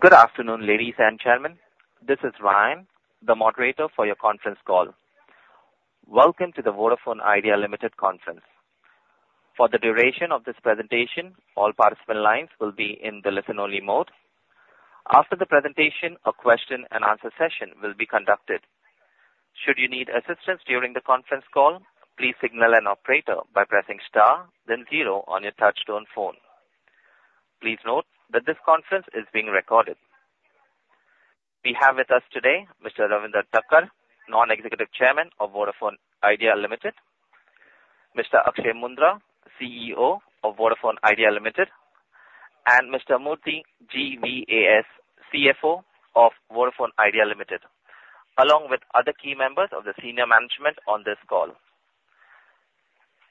Good afternoon, ladies and gentlemen. This is Ryan, the moderator for your conference call. Welcome to the Vodafone Idea Limited Conference Call. For the duration of this presentation, all participant lines will be in the listen-only mode. After the presentation, a question-and-answer session will be conducted. Should you need assistance during the conference call, please signal an operator by pressing star, then zero on your touchtone phone. Please note that this conference is being recorded. We have with us today Mr. Ravinder Takkar, Non-Executive Chairman of Vodafone Idea Limited, Mr. Akshaya Moondra, CEO of Vodafone Idea Limited, and Mr. Murthy GVAS, CFO of Vodafone Idea Limited, along with other key members of the senior management on this call.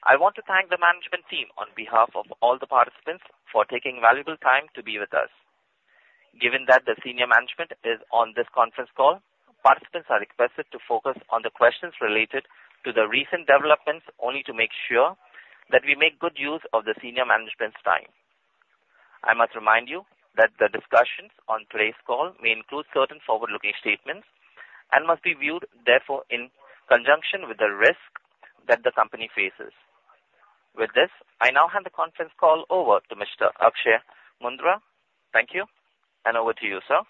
I want to thank the management team on behalf of all the participants for taking valuable time to be with us. Given that the senior management is on this conference call, participants are requested to focus on the questions related to the recent developments, only to make sure that we make good use of the senior management's time. I must remind you that the discussions on today's call may include certain forward-looking statements and must be viewed therefore, in conjunction with the risk that the company faces. With this, I now hand the conference call over to Mr. Akshaya Moondra. Thank you, and over to you, sir.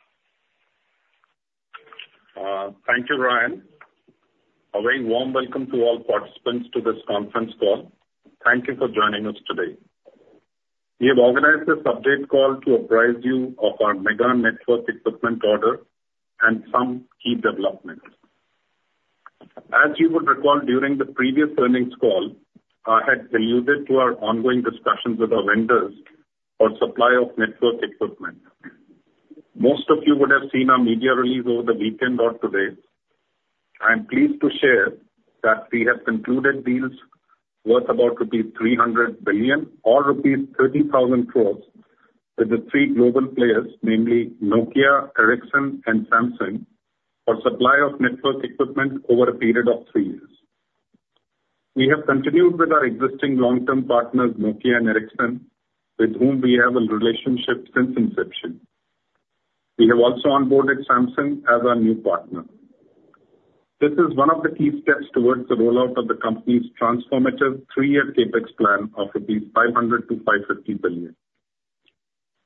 Thank you, Ryan. A very warm welcome to all participants to this conference call. Thank you for joining us today. We have organized this update call to apprise you of our mega network equipment order and some key developments. As you would recall, during the previous earnings call, I had alluded to our ongoing discussions with our vendors on supply of network equipment. Most of you would have seen our media release over the weekend or today. I am pleased to share that we have concluded deals worth about rupees 300 billion or rupees 30,000 crores with the three global players, namely Nokia, Ericsson and Samsung, for supply of network equipment over a period of three years. We have continued with our existing long-term partners, Nokia and Ericsson, with whom we have a relationship since inception. We have also onboarded Samsung as our new partner. This is one of the key steps towards the rollout of the company's transformative three-year CapEx plan of 500 billion-550 billion rupees.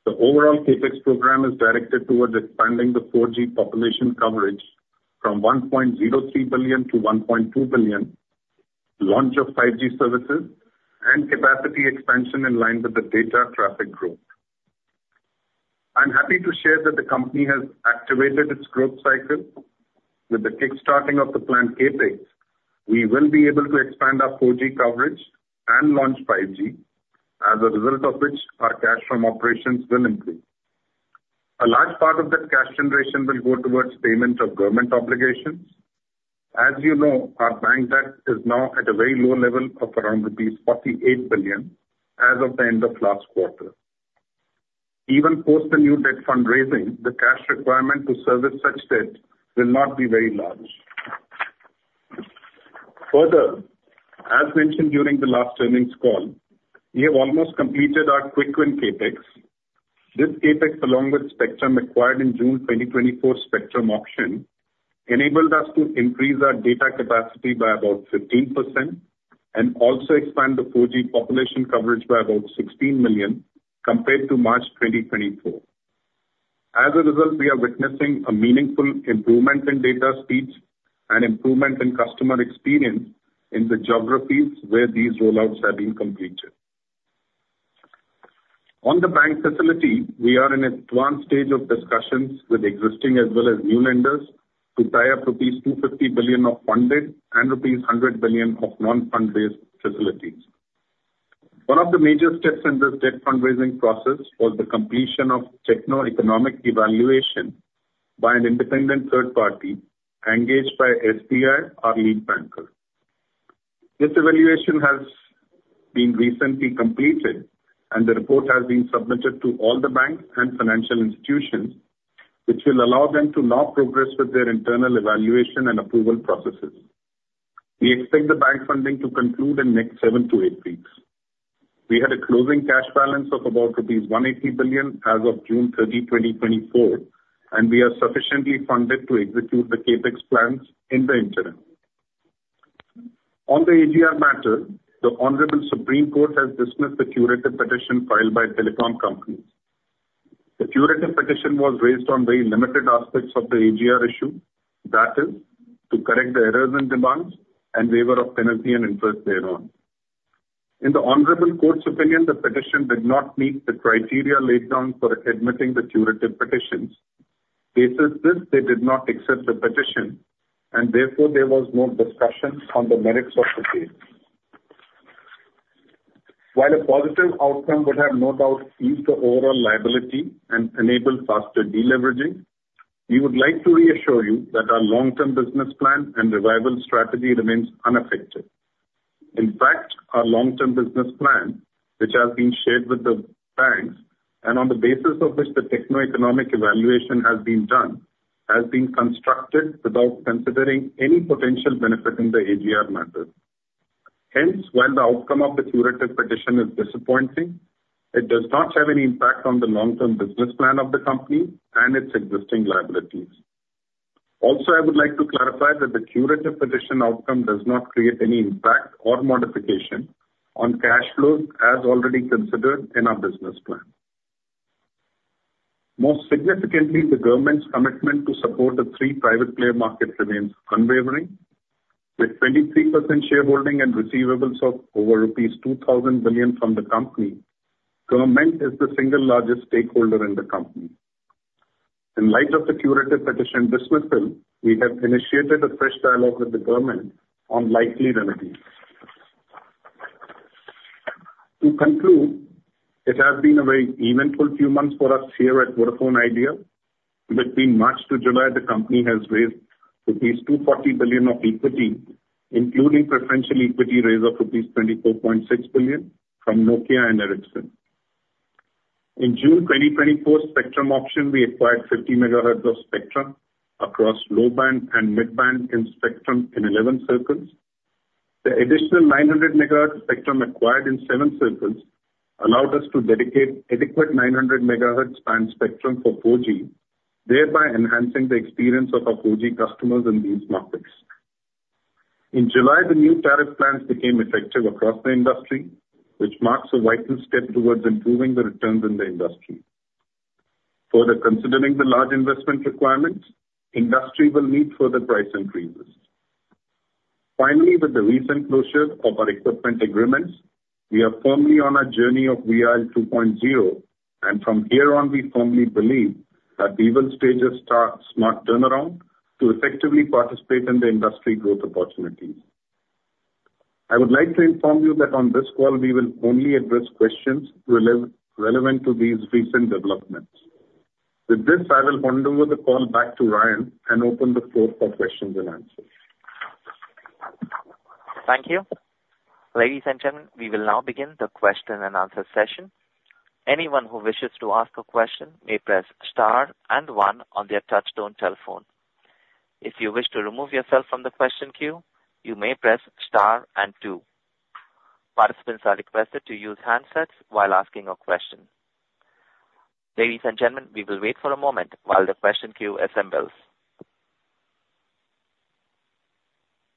The overall CapEx program is directed towards expanding the 4G population coverage from 1.03 billion to 1.2 billion, launch of 5G services and capacity expansion in line with the data traffic growth. I'm happy to share that the company has activated its growth cycle. With the kickstarting of the planned CapEx, we will be able to expand our 4G coverage and launch 5G, as a result of which our cash from operations will improve. A large part of that cash generation will go towards payment of government obligations. As you know, our bank debt is now at a very low level of around rupees 48 billion as of the end of last quarter. Even post the new debt fundraising, the cash requirement to service such debt will not be very large. Further, as mentioned during the last earnings call, we have almost completed our Quick Win CapEx. This CapEx, along with spectrum acquired in June 2024 spectrum auction, enabled us to increase our data capacity by about 15% and also expand the 4G population coverage by about 16 million compared to March 2024. As a result, we are witnessing a meaningful improvement in data speeds and improvement in customer experience in the geographies where these rollouts have been completed. On the bank facility, we are in an advanced stage of discussions with existing as well as new lenders to tie up rupees 250 billion of funded and rupees 100 billion of non-fund based facilities. One of the major steps in this debt fundraising process was the completion of techno-economic evaluation by an independent third party engaged by SBI, our lead banker. This evaluation has been recently completed, and the report has been submitted to all the banks and financial institutions, which will allow them to now progress with their internal evaluation and approval processes. We expect the bank funding to conclude in next seven to eight weeks. We had a closing cash balance of about INR 180 billion as of June 30, 2024, and we are sufficiently funded to execute the CapEx plans in the interim. On the AGR matter, the Honorable Supreme Court has dismissed the curative petition filed by telecom companies. The curative petition was raised on very limited aspects of the AGR issue, that is, to correct the errors in demands and waiver of penalty and interest thereon. In the Honorable Court's opinion, the petition did not meet the criteria laid down for admitting the curative petitions. Based on this, they did not accept the petition and therefore, there was no discussion on the merits of the case. While a positive outcome would have no doubt eased the overall liability and enabled faster deleveraging, we would like to reassure you that our long-term business plan and revival strategy remains unaffected. In fact, our long-term business plan, which has been shared with the banks and on the basis of which the techno-economic evaluation has been done, has been constructed without considering any potential benefit in the AGR matter.... Hence, while the outcome of the curative petition is disappointing, it does not have any impact on the long-term business plan of the company and its existing liabilities. Also, I would like to clarify that the curative petition outcome does not create any impact or modification on cash flows as already considered in our business plan. Most significantly, the government's commitment to support the three private player market remains unwavering. With 23% shareholding and receivables of over rupees 2,000 billion from the company, government is the single largest stakeholder in the company. In light of the curative petition dismissal, we have initiated a fresh dialogue with the government on likely remedies. To conclude, it has been a very eventful few months for us here at Vodafone Idea. Between March to July, the company has raised rupees 240 billion of equity, including preferential equity raise of rupees 24.6 billion from Nokia and Ericsson. In June 2024 spectrum auction, we acquired 50 megahertz of spectrum across low band and mid band in spectrum in 11 circles. The additional 900 megahertz spectrum acquired in 7 circles allowed us to dedicate adequate 900 megahertz band spectrum for 4G, thereby enhancing the experience of our 4G customers in these markets. In July, the new tariff plans became effective across the industry, which marks a vital step towards improving the returns in the industry. Further, considering the large investment requirements, industry will need further price increases. Finally, with the recent closure of our equipment agreements, we are firmly on our journey of Vi 2.0, and from here on, we firmly believe that we will stage a smart turnaround to effectively participate in the industry growth opportunities. I would like to inform you that on this call, we will only address questions relevant to these recent developments. With this, I will hand over the call back to Ryan and open the floor for questions and answers. Thank you. Ladies and gentlemen, we will now begin the question and answer session. Anyone who wishes to ask a question may press star and one on their touchtone telephone. If you wish to remove yourself from the question queue, you may press star and two. Participants are requested to use handsets while asking a question. Ladies and gentlemen, we will wait for a moment while the question queue assembles.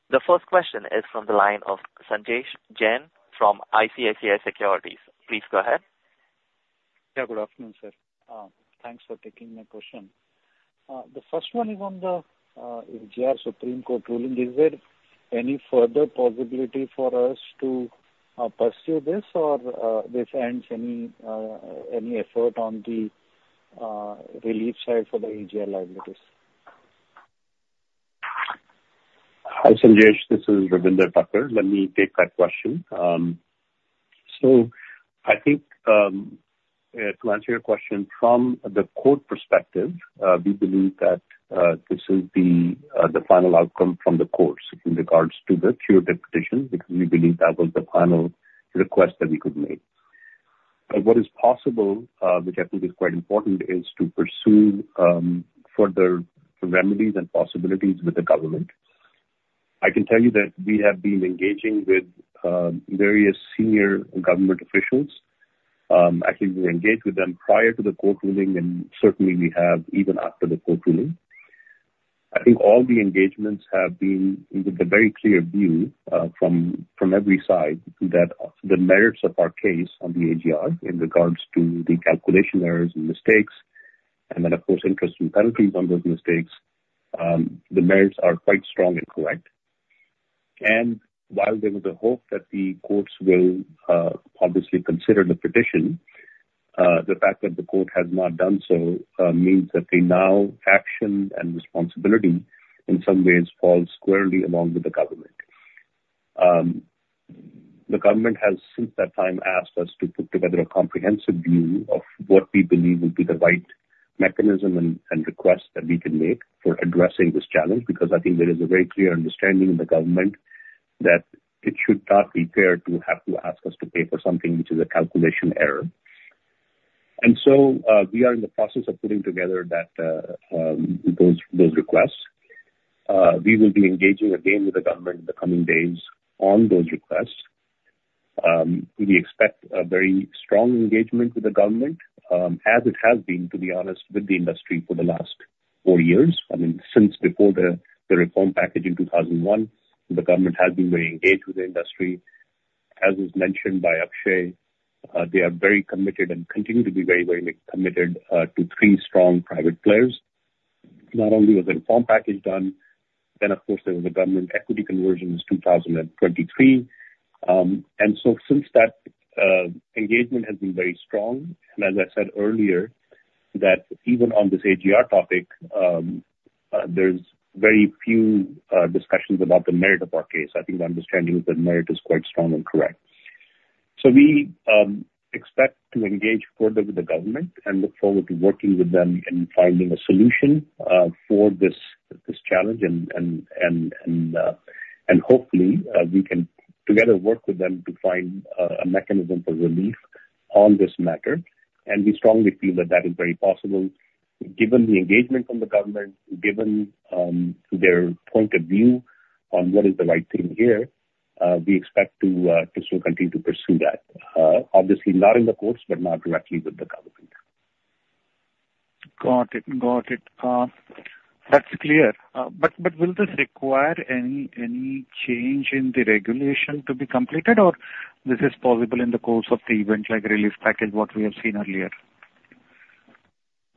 The first question is from the line of Sanjesh Jain from ICICI Securities. Please go ahead. Yeah, good afternoon, sir. Thanks for taking my question. The first one is on the AGR Supreme Court ruling. Is there any further possibility for us to pursue this or this ends any effort on the relief side for the AGR liabilities? Hi, Sanjesh, this is Ravinder Takkar. Let me take that question. So I think, to answer your question from the court perspective, we believe that this is the final outcome from the courts in regards to the curative petition, because we believe that was the final request that we could make. But what is possible, which I think is quite important, is to pursue further remedies and possibilities with the government. I can tell you that we have been engaging with various senior government officials. Actually, we engaged with them prior to the court ruling, and certainly we have even after the court ruling. I think all the engagements have been with a very clear view, from every side, that the merits of our case on the AGR in regards to the calculation errors and mistakes, and then, of course, interest and penalties on those mistakes, the merits are quite strong and correct. And while there was a hope that the courts will, obviously consider the petition, the fact that the court has not done so, means that the now action and responsibility in some ways falls squarely along with the government. The government has, since that time, asked us to put together a comprehensive view of what we believe would be the right mechanism and request that we can make for addressing this challenge, because I think there is a very clear understanding in the government that it should not be fair to have to ask us to pay for something which is a calculation error. And so, we are in the process of putting together that, those requests. We will be engaging again with the government in the coming days on those requests. We expect a very strong engagement with the government, as it has been, to be honest, with the industry for the last four years. I mean, since before the reform package in 2001, the government has been very engaged with the industry. As was mentioned by Akshaya, they are very committed and continue to be very, very committed to three strong private players. Not only was the reform package done, then of course, there was the government equity conversions 2023. And so since that, engagement has been very strong, and as I said earlier, that even on this AGR topic, there's very few discussions about the merit of our case. I think the understanding is that merit is quite strong and correct. So we expect to engage further with the government and look forward to working with them in finding a solution for this challenge and hopefully we can together work with them to find a mechanism for relief on this matter, and we strongly feel that that is very possible. Given the engagement from the government, their point of view on what is the right thing here, we expect to still continue to pursue that. Obviously, not in the courts, but not directly with the government. Got it, got it. That's clear. But will this require any change in the regulation to be completed, or this is possible in the course of the event, like relief package, what we have seen earlier?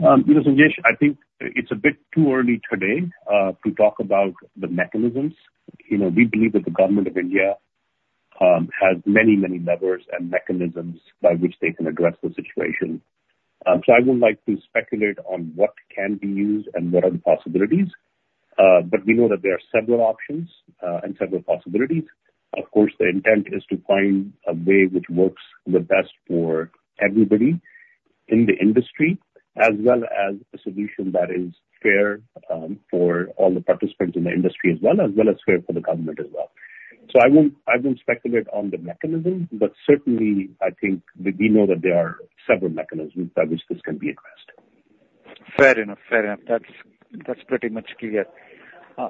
You know, Sanjesh, I think it's a bit too early today to talk about the mechanisms. You know, we believe that the Government of India has many, many levers and mechanisms by which they can address the situation. So I wouldn't like to speculate on what can be used and what are the possibilities, but we know that there are several options and several possibilities. Of course, the intent is to find a way which works the best for everybody in the industry, as well as a solution that is fair for all the participants in the industry as well, as well as fair for the government as well. So I won't speculate on the mechanism, but certainly, I think we know that there are several mechanisms by which this can be addressed. Fair enough. Fair enough. That's pretty much clear.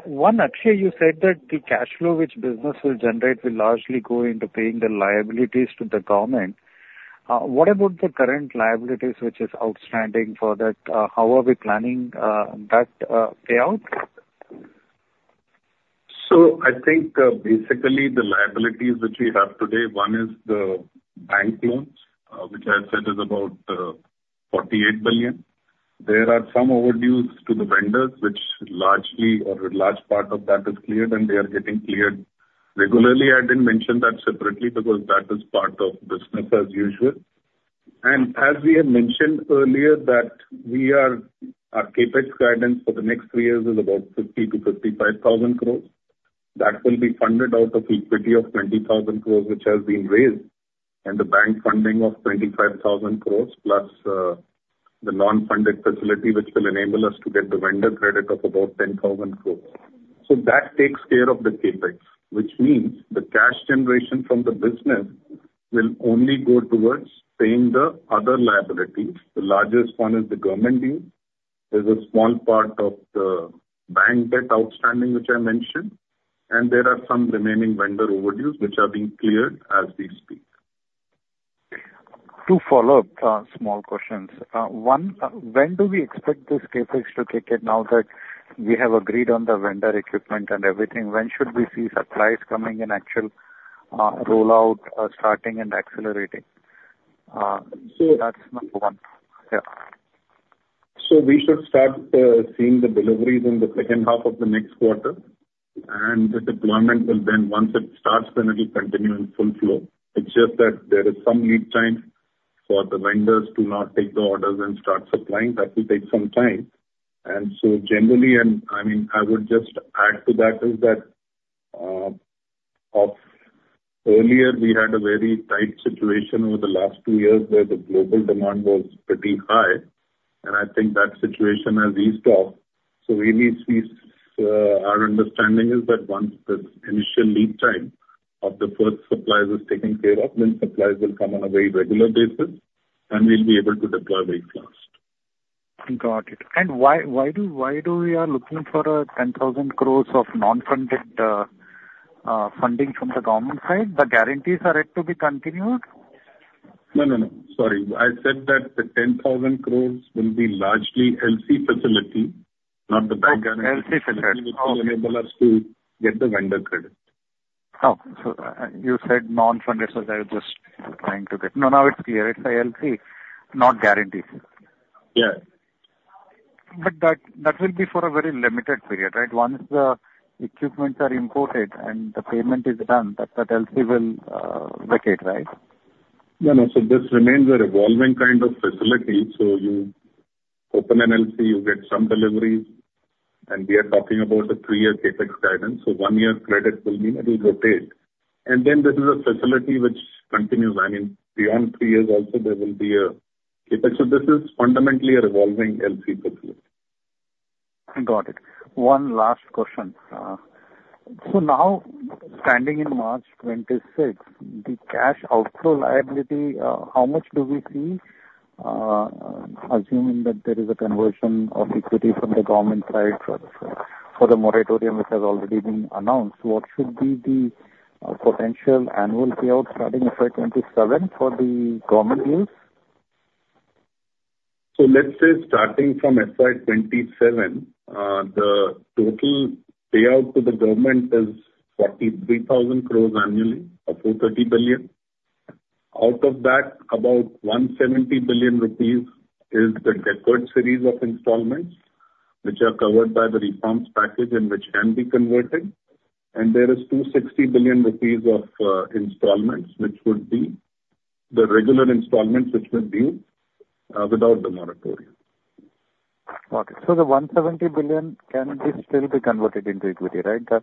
One, Akshaya, you said that the cashflow which business will generate will largely go into paying the liabilities to the government. What about the current liabilities, which is outstanding for that? How are we planning that payout? So I think, basically the liabilities which we have today, one is the bank loans, which I said is about 48 billion. There are some overdues to the vendors, which largely or a large part of that is cleared, and they are getting cleared regularly. I didn't mention that separately, because that is part of business as usual. And as we had mentioned earlier, that we are, our CapEx guidance for the next three years is about 50-55 thousand crores. That will be funded out of equity of 20 thousand crores, which has been raised, and the bank funding of 25 thousand crores, plus the non-fund based facility, which will enable us to get the vendor credit of about 10 thousand crores. So that takes care of the CapEx, which means the cash generation from the business will only go towards paying the other liabilities. The largest one is the government dues. There's a small part of the bank debt outstanding, which I mentioned, and there are some remaining vendor overdues, which are being cleared as we speak. Two follow-up small questions. One, when do we expect this CapEx to kick in now that we have agreed on the vendor equipment and everything? When should we see supplies coming in, actual rollout starting and accelerating? So that's number one. Yeah. So we should start seeing the deliveries in the second half of the next quarter. And the deployment will then, once it starts, then it will continue in full flow. It's just that there is some lead time for the vendors to now take the orders and start supplying. That will take some time. And so generally, and I mean, I would just add to that, is that of earlier, we had a very tight situation over the last two years, where the global demand was pretty high, and I think that situation has eased off. So we may see. Our understanding is that once the initial lead time of the first supplies is taken care of, then supplies will come on a very regular basis, and we'll be able to deploy very fast. Got it. And why do we are looking for 10,000 crore of non-funded funding from the government side? The guarantees are yet to be continued? No, no, no. Sorry. I said that the 10,000 crores will be largely LC facility, not the bank guarantee. Right, LC facility. Which will enable us to get the vendor credit. Oh, so you said non-fund based, so I was just trying to get... No, now it's clear. It's a LC, not guarantees. Yeah. But that will be for a very limited period, right? Once the equipment is imported and the payment is done, that LC will vacate, right? No, no. So this remains a revolving kind of facility. So you open an LC, you get some deliveries, and we are talking about a three-year CapEx guidance. So one year credit will be, it will rotate. And then this is a facility which continues, I mean, beyond three years also, there will be a CapEx. So this is fundamentally a revolving LC facility. Got it. One last question. So now, standing in March 2026, the cash outflow liability, how much do we see, assuming that there is a conversion of equity from the government side for the moratorium, which has already been announced, what should be the potential annual payout starting FY 2027 for the government dues? Let's say starting from FY 2027, the total payout to the government is 43,000 crore annually, or 430 billion. Out of that, about 170 billion rupees is the deferred series of installments, which are covered by the reforms package and which can be converted. There is 260 billion rupees of installments, which would be the regular installments, which will be without the moratorium. Okay. So the 170 billion can still be converted into equity, right? The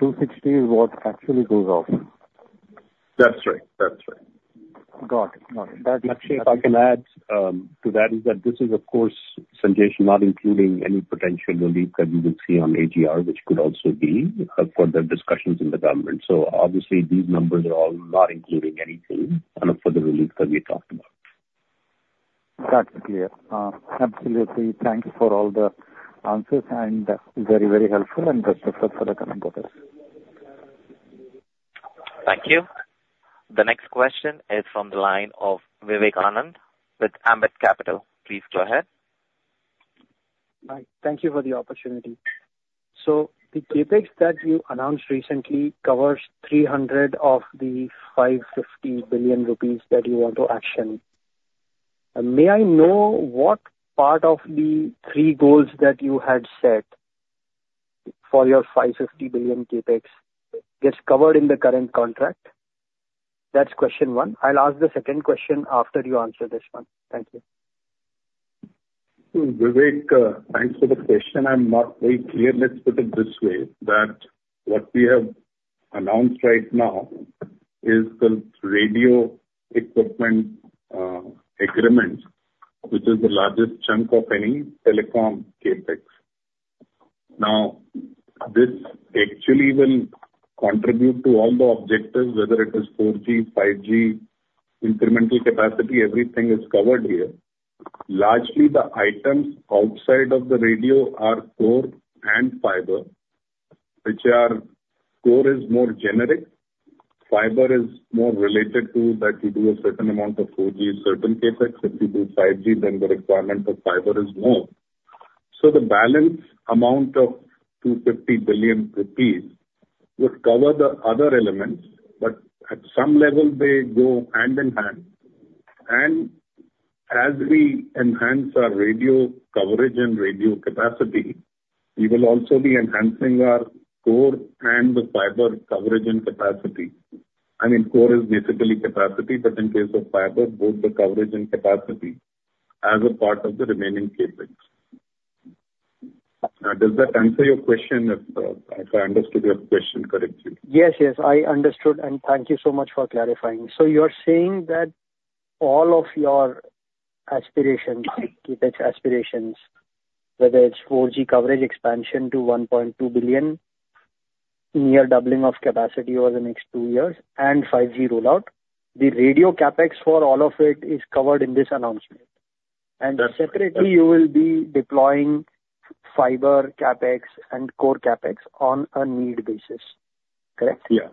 two sixty is what actually goes off. That's right, that's right. Got it. Got it. Actually, if I can add to that, is that this is, of course-... Sanjesh, not including any potential relief that you would see on AGR, which could also be up for the discussions in the government. So obviously, these numbers are all not including anything and for the relief that we talked about. That's clear. Absolutely. Thank you for all the answers, and very, very helpful and thanks for the comments. Thank you. The next question is from the line of Vivekanand with Ambit Capital. Please go ahead. Hi. Thank you for the opportunity. So the CapEx that you announced recently covers 300 of the 550 billion rupees that you want to action. May I know what part of the three goals that you had set for your 560 billion CapEx gets covered in the current contract? That's question one. I'll ask the second question after you answer this one. Thank you. Vivek, thanks for the question. I'm not very clear. Let's put it this way, that what we have announced right now is the radio equipment agreement, which is the largest chunk of any telecom CapEx. Now, this actually will contribute to all the objectives, whether it is 4G, 5G, incremental capacity, everything is covered here. Largely, the items outside of the radio are core and fiber, which are core and fiber. Core is more generic. Fiber is more related to that you do a certain amount of 4G, certain CapEx. If you do 5G, then the requirement of fiber is more. So the balance amount of 250 billion rupees would cover the other elements, but at some level they go hand in hand, and as we enhance our radio coverage and radio capacity, we will also be enhancing our core and the fiber coverage and capacity. I mean, core is basically capacity, but in case of fiber, both the coverage and capacity as a part of the remaining CapEx. Does that answer your question, if I understood your question correctly? Yes, yes, I understood, and thank you so much for clarifying. So you're saying that all of your aspirations, CapEx aspirations, whether it's 4G coverage expansion to 1.2 billion, near doubling of capacity over the next two years and 5G rollout, the radio CapEx for all of it is covered in this announcement? That's- Separately, you will be deploying fiber CapEx and core CapEx on a need basis, correct? Yeah.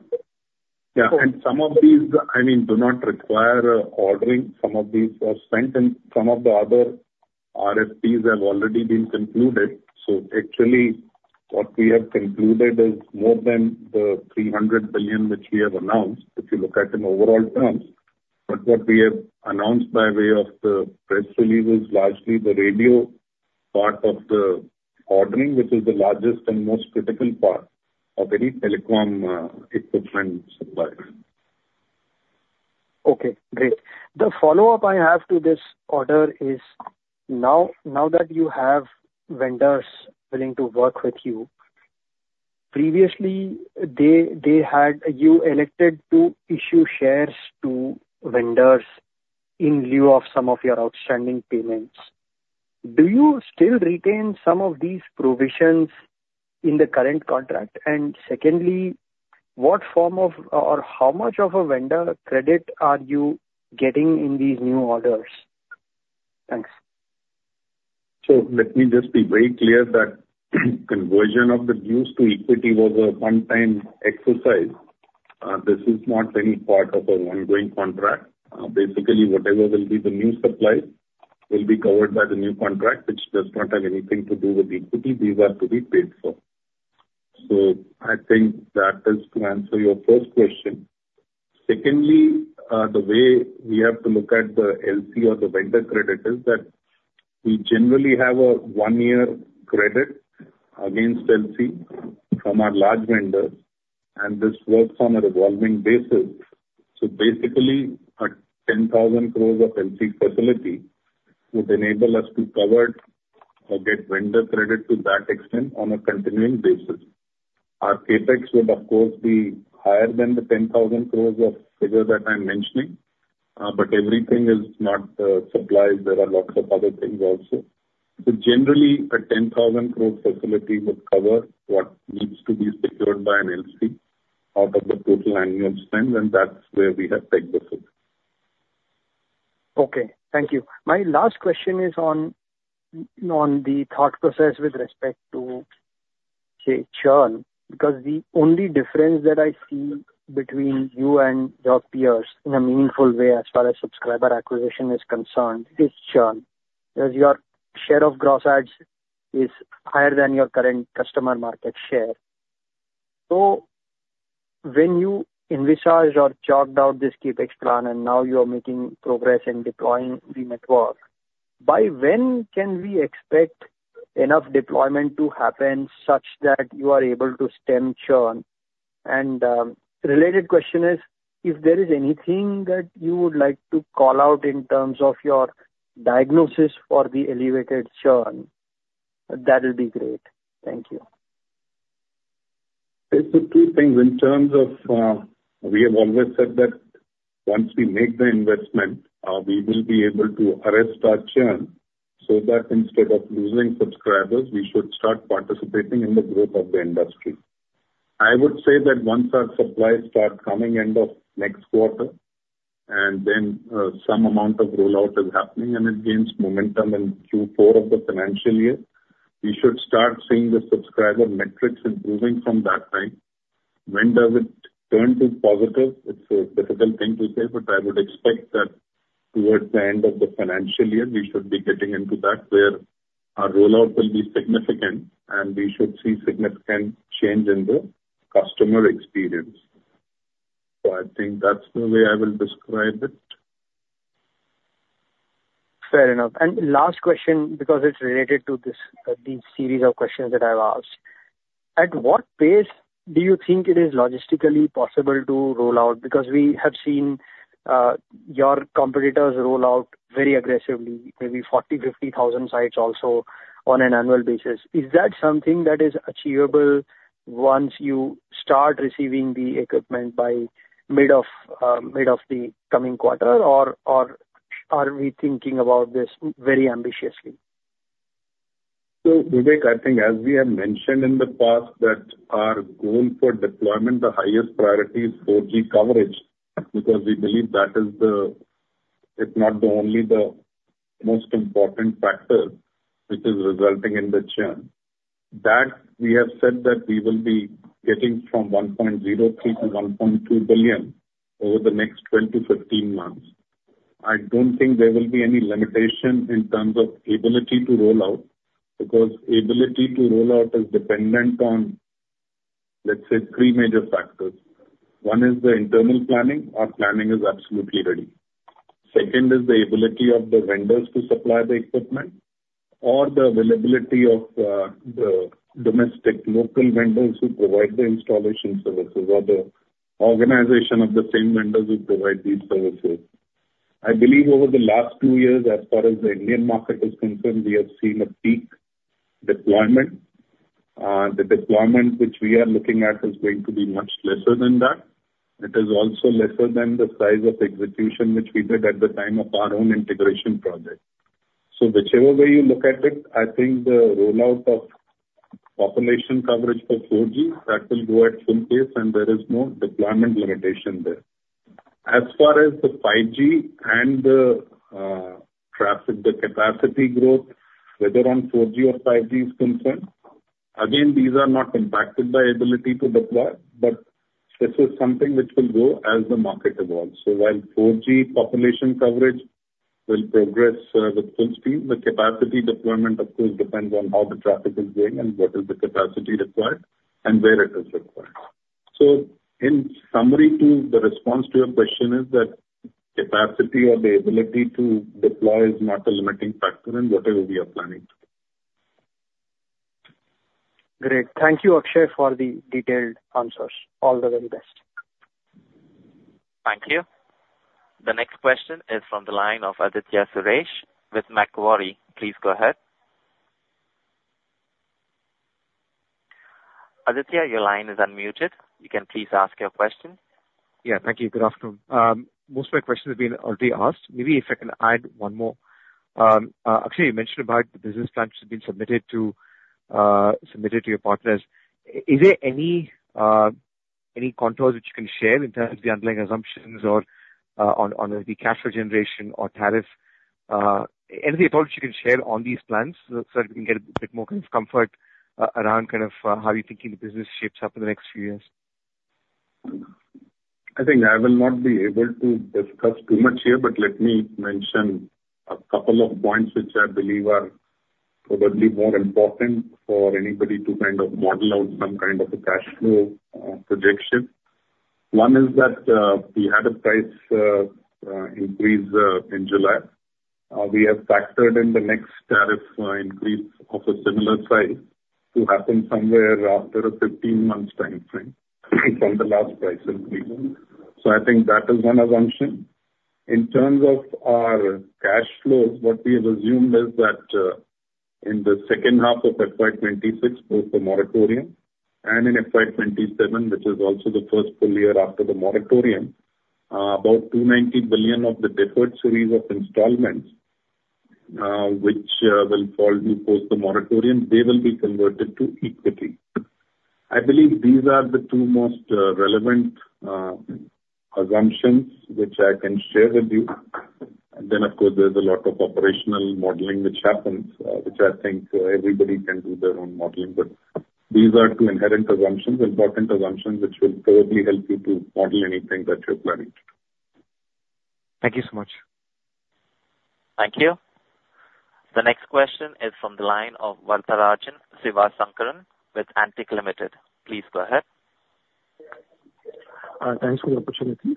Yeah, and some of these, I mean, do not require ordering. Some of these were spent and some of the other RFPs have already been concluded. So actually, what we have concluded is more than the 300 billion, which we have announced, if you look at in overall terms. But what we have announced by way of the press release is largely the radio part of the ordering, which is the largest and most critical part of any telecom equipment supplier. Okay, great. The follow-up I have to this order is, now that you have vendors willing to work with you, previously, you elected to issue shares to vendors in lieu of some of your outstanding payments. Do you still retain some of these provisions in the current contract? And secondly, what form of, or how much of a vendor credit are you getting in these new orders? Thanks. So let me just be very clear that conversion of the dues to equity was a one-time exercise. This is not any part of an ongoing contract. Basically, whatever will be the new supply will be covered by the new contract, which does not have anything to do with equity. These are to be paid for. So I think that is to answer your first question. Secondly, the way we have to look at the LC or the vendor credit is that we generally have a one-year credit against LC from our large vendors, and this works on a revolving basis. So basically, an 10,000 crores LC facility would enable us to cover or get vendor credit to that extent on a continuing basis. Our CapEx would, of course, be higher than the ten thousand crores of figure that I'm mentioning, but everything is not supplies. There are lots of other things also. So generally, a ten thousand crore facility would cover what needs to be secured by an LC out of the total annual spend, and that's where we have pegged this at. Okay, thank you. My last question is on the thought process with respect to, say, churn, because the only difference that I see between you and your peers in a meaningful way, as far as subscriber acquisition is concerned, is churn. Because your share of gross adds is higher than your current customer market share. So when you envisaged or chalked out this CapEx plan, and now you are making progress in deploying the network, by when can we expect enough deployment to happen such that you are able to stem churn? And, related question is, if there is anything that you would like to call out in terms of your diagnosis for the elevated churn, that would be great. Thank you.... I think the two things in terms of, we have always said that once we make the investment, we will be able to arrest our churn, so that instead of losing subscribers, we should start participating in the growth of the industry. I would say that once our supplies start coming end of next quarter, and then, some amount of rollout is happening, and it gains momentum in Q4 of the financial year, we should start seeing the subscriber metrics improving from that time. When does it turn to positive? It's a difficult thing to say, but I would expect that towards the end of the financial year, we should be getting into that, where our rollout will be significant, and we should see significant change in the customer experience. So I think that's the way I will describe it. Fair enough. And last question, because it's related to this, these series of questions that I've asked: At what pace do you think it is logistically possible to roll out? Because we have seen, your competitors roll out very aggressively, maybe 40, 50 thousand sites also on an annual basis. Is that something that is achievable once you start receiving the equipment by mid of the coming quarter, or are we thinking about this very ambitiously? Vivek, I think as we have mentioned in the past, that our goal for deployment, the highest priority is 4G coverage, because we believe that is the, if not the only, the most important factor which is resulting in the churn. That, we have said that we will be getting from one point zero three to one point two billion over the next twelve to fifteen months. I don't think there will be any limitation in terms of ability to roll out, because ability to roll out is dependent on, let's say, three major factors. One is the internal planning. Our planning is absolutely ready. Second is the ability of the vendors to supply the equipment or the availability of, the domestic local vendors who provide the installation services or the organization of the same vendors who provide these services. I believe over the last two years, as far as the Indian market is concerned, we have seen a peak deployment. The deployment which we are looking at is going to be much lesser than that. It is also lesser than the size of the execution, which we did at the time of our own integration project. So whichever way you look at it, I think the rollout of population coverage for 4G, that will go at full pace, and there is no deployment limitation there. As far as the 5G and the traffic, the capacity growth, whether on 4G or 5G is concerned, again, these are not impacted by ability to deploy, but this is something which will go as the market evolves. So while 4G population coverage will progress, with full speed, the capacity deployment, of course, depends on how the traffic is going and what is the capacity required and where it is required. So in summary, the response to your question is that capacity or the ability to deploy is not a limiting factor in whatever we are planning to do. Great. Thank you, Akshaya, for the detailed answers. All the very best. Thank you. The next question is from the line of Aditya Suresh with Macquarie. Please go ahead. Aditya, your line is unmuted. You can please ask your question. Yeah. Thank you. Good afternoon. Most of my questions have been already asked. Maybe if I can add one more. Akshaya, you mentioned about the business plans have been submitted to your partners. Is there any contours which you can share in terms of the underlying assumptions or on the cash flow generation or tariff? Anything at all you can share on these plans, so that we can get a bit more kind of comfort around kind of how you're thinking the business shapes up in the next few years? I think I will not be able to discuss too much here, but let me mention a couple of points, which I believe are probably more important for anybody to kind of model out some kind of a cash flow projection. One is that, we had a price increase in July. We have factored in the next tariff increase of a similar size to happen somewhere after a fifteen-month time frame from the last price increase. So I think that is one assumption. In terms of our cash flows, what we have assumed is that, in the second half of FY 2026, both the moratorium and in FY 2027, which is also the first full year after the moratorium, about 290 billion of the deferred series of installments, which will fall due post the moratorium, they will be converted to equity. I believe these are the two most relevant assumptions which I can share with you. And then, of course, there's a lot of operational modeling which happens, which I think everybody can do their own modeling. But these are two inherent assumptions, important assumptions, which will probably help you to model anything that you're planning to do. Thank you so much. Thank you. The next question is from the line of Varatharajan Sivasankaran with Antique Limited. Please go ahead. Thanks for the opportunity.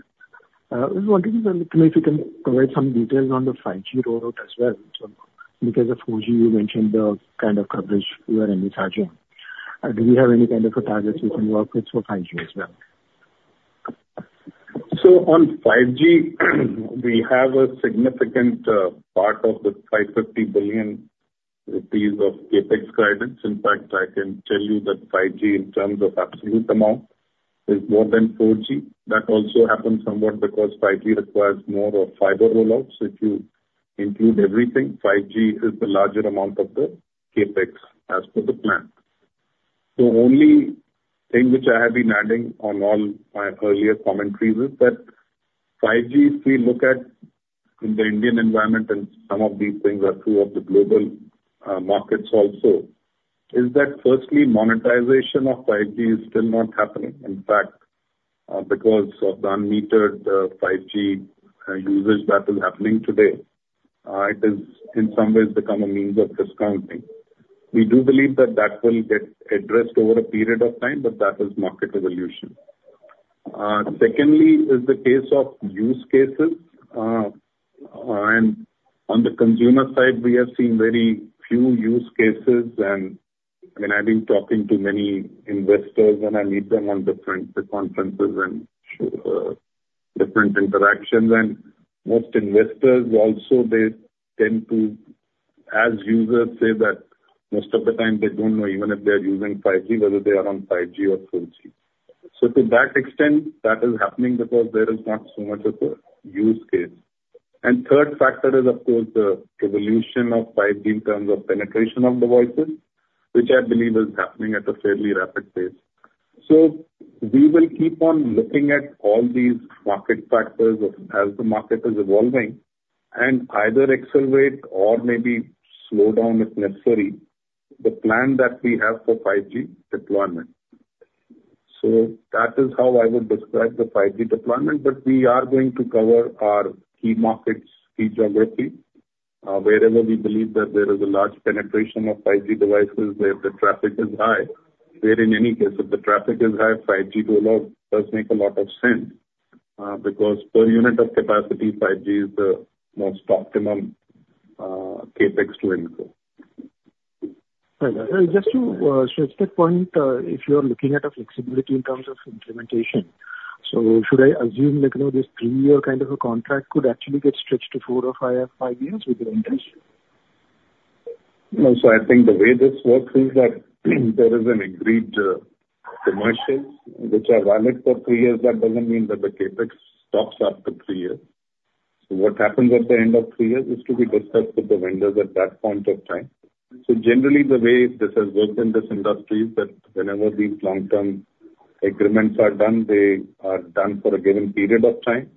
I was wondering if you can provide some details on the 5G rollout as well. So because of 4G, you mentioned the kind of coverage you are in charge of. Do you have any kind of targets which you work with for 5G as well?... So on 5G, we have a significant part of the 550 billion rupees of CapEx guidance. In fact, I can tell you that 5G in terms of absolute amount is more than 4G. That also happens somewhat because 5G requires more of fiber rollouts. If you include everything, 5G is the larger amount of the CapEx as per the plan. The only thing which I have been adding on all my earlier commentaries is that 5G, if we look at in the Indian environment, and some of these things are true of the global markets also, is that firstly, monetization of 5G is still not happening. In fact, because of the unmetered 5G usage that is happening today, it is in some ways become a means of discounting. We do believe that that will get addressed over a period of time, but that is market evolution. Secondly, is the case of use cases. And on the consumer side, we have seen very few use cases. And, I mean, I've been talking to many investors, and I meet them on different conferences and different interactions. And most investors also, they tend to, as users, say that most of the time they don't know even if they are using 5G, whether they are on 5G or 4G. So to that extent, that is happening because there is not so much of a use case. And third factor is, of course, the evolution of 5G in terms of penetration of devices, which I believe is happening at a fairly rapid pace. We will keep on looking at all these market factors as the market is evolving and either accelerate or maybe slow down, if necessary, the plan that we have for 5G deployment. That is how I would describe the 5G deployment, but we are going to cover our key markets, key geography, wherever we believe that there is a large penetration of 5G devices, where the traffic is high. Where in any case, if the traffic is high, 5G rollout does make a lot of sense, because per unit of capacity, 5G is the most optimum CapEx to incur. Right. Just to stress that point, if you are looking at a flexibility in terms of implementation, so should I assume that, you know, this three-year kind of a contract could actually get stretched to four or five years with the vendors? No. So I think the way this works is that there is an agreed, commercials which are valid for three years. That doesn't mean that the CapEx stops after three years. So what happens at the end of three years is to be discussed with the vendors at that point of time. So generally, the way this has worked in this industry is that whenever these long-term agreements are done, they are done for a given period of time,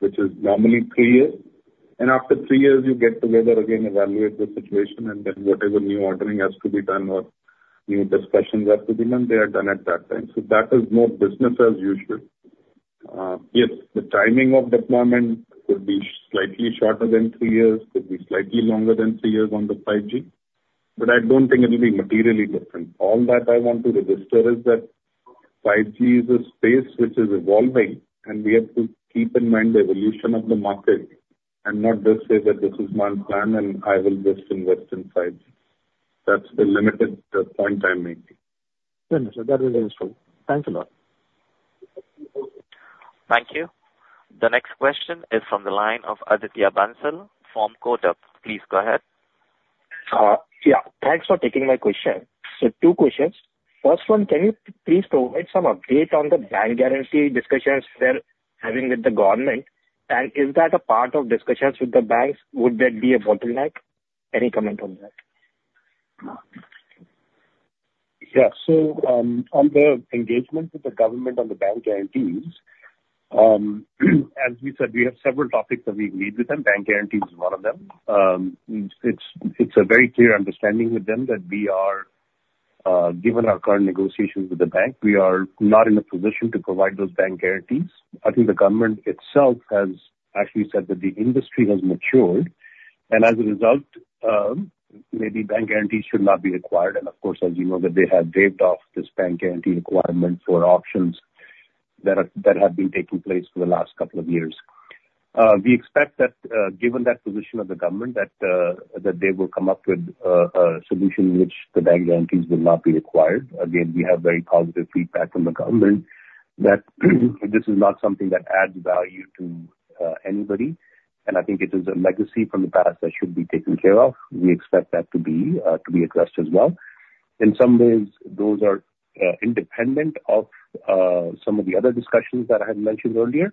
which is normally three years. And after three years, you get together again, evaluate the situation, and then whatever new ordering has to be done or new discussions have to be done, they are done at that time. So that is more business as usual. Yes, the timing of deployment could be slightly shorter than three years, could be slightly longer than three years on the 5G, but I don't think it will be materially different. All that I want to register is that 5G is a space which is evolving, and we have to keep in mind the evolution of the market and not just say that this is my plan and I will just invest in 5G. That's the limited point I'm making. Sure, sir. That is useful. Thanks a lot. Thank you. The next question is from the line of Aditya Bansal from Kotak. Please go ahead. Yeah, thanks for taking my question. So two questions. First one, can you please provide some update on the bank guarantee discussions you are having with the government, and is that a part of discussions with the banks? Would that be a bottleneck? Any comment on that? Yeah. So, on the engagement with the government on the bank guarantees, as we said, we have several topics that we've raised with them. bank guarantee is one of them. It's a very clear understanding with them that we are, given our current negotiations with the bank, we are not in a position to provide those bank guarantees. I think the government itself has actually said that the industry has matured, and as a result, maybe bank guarantees should not be required. And of course, as you know, that they have waived off this bank guarantee requirement for auctions that have been taking place for the last couple of years. We expect that, given that position of the government, that they will come up with a solution in which the bank guarantees will not be required. Again, we have very positive feedback from the government that this is not something that adds value to anybody, and I think it is a legacy from the past that should be taken care of. We expect that to be addressed as well. In some ways, those are independent of some of the other discussions that I had mentioned earlier,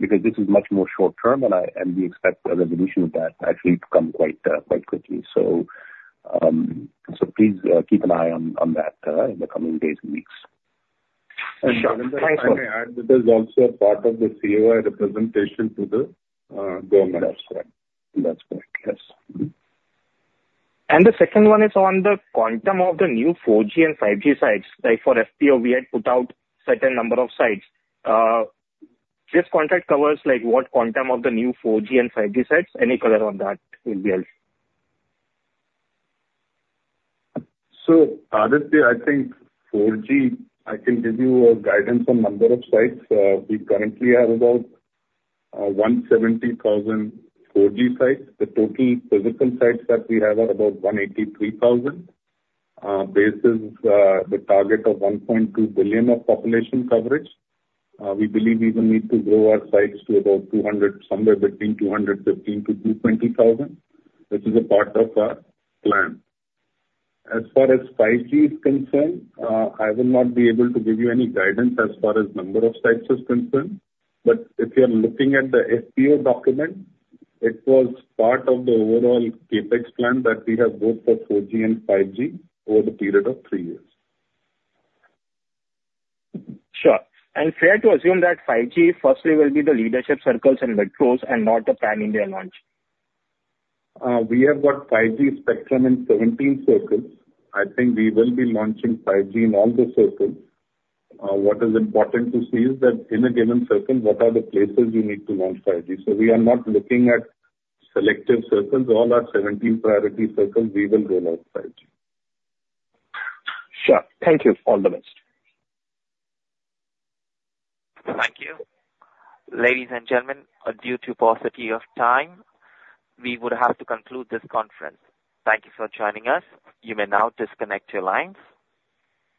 because this is much more short term, and we expect a resolution of that actually to come quite quickly. So please keep an eye on that in the coming days and weeks. Sure. Thank you. May I add, that is also a part of the COAI representation to the, government. That's correct. That's correct, yes. And the second one is on the quantum of the new 4G and 5G sites. Like for FPO, we had put out certain number of sites. This contract covers, like, what quantum of the new 4G and 5G sites? Any color on that will be helpful. Aditya, I think 4G, I can give you a guidance on number of sites. We currently have about 170,000 4G sites. The total physical sites that we have are about 183,000. This is the target of 1.2 billion of population coverage. We believe we will need to grow our sites to about 200, somewhere between 215,000 to 220,000. This is a part of our plan. As far as 5G is concerned, I will not be able to give you any guidance as far as number of sites is concerned. But if you are looking at the FPO document, it was part of the overall CapEx plan that we have both for 4G and 5G over the period of three years. Sure. And fair to assume that 5G firstly will be the leadership circles and metros and not the pan-India launch? We have got 5G spectrum in seventeen circles. I think we will be launching 5G in all the circles. What is important to see is that in a given circle, what are the places we need to launch 5G? So we are not looking at selective circles. All our seventeen priority circles, we will roll out 5G. Sure. Thank you. All the best. Thank you. Ladies and gentlemen, due to paucity of time, we would have to conclude this conference. Thank you for joining us. You may now disconnect your lines.